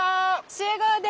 集合です！